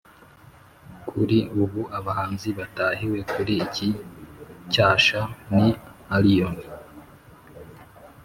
kuri ubu abahanzi batahiwe kuri iki cyasha ni allioni